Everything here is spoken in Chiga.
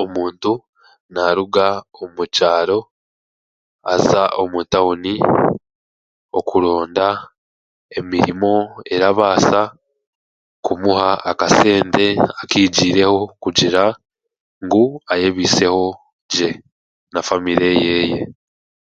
Omuntu naaruga omu kyaro aza omu tawuni kuronda emirimo erabaasa kumuha akasente kiigiireho kugira ngu ayebaiseho gye n'afamire yeehe